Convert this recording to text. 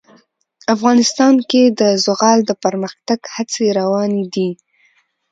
افغانستان کې د زغال د پرمختګ هڅې روانې دي.